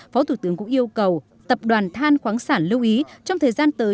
phó thủ tướng cũng yêu cầu tập đoàn than khoáng sản lưu ý trong thời gian tới